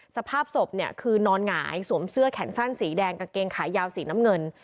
สภาพศพเนี่ยคือนอนหงายสวมเสื้อแขนสั้นสีแดงกางเกงขายาวสีน้ำเงิน